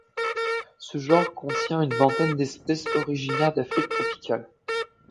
Ce genre contient une vingtaine d'espèces originaires d’Afrique tropicale.